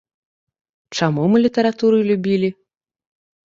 Чаму мы літаратуры любілі?